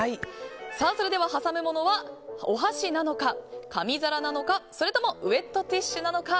それでは挟むものはお箸なのか紙皿なのか、それともウェットティッシュなのか。